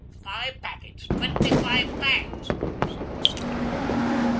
'Five packets twenty five fags,' said the Centre Driver.